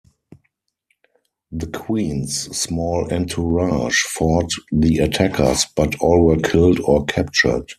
The queens' small entourage fought the attackers, but all were killed or captured.